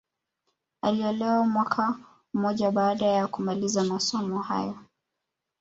Aliolewa mwaka mmoja baada ya kumaliza masomo hayo